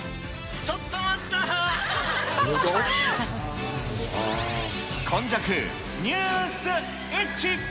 ちょっと待ったー！